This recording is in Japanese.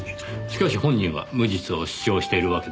しかし本人は無実を主張しているわけですね。